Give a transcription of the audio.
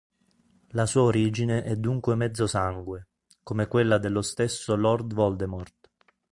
La sua origine è dunque mezzosangue, come quella dello stesso Lord Voldemort.